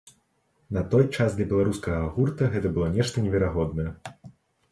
На той час для беларускага гурта гэта было нешта неверагоднае.